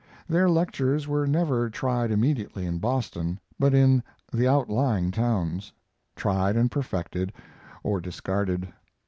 Their lectures were never tried immediately in Boston, but in the outlying towns; tried and perfected or discarded.